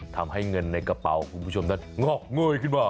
ทำให้เงินในกระเป๋าคุณผู้ชมนั้นงอกเงยขึ้นมา